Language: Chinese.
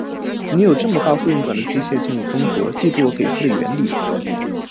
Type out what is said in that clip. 你有这么高速运转的机械进入中国，记住我给出的原理。